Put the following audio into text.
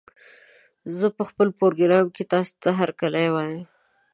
زه په خپل پروګرام کې تاسې ته هرکلی وايم